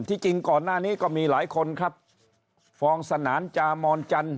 จริงก่อนหน้านี้ก็มีหลายคนครับฟองสนานจามอนจันท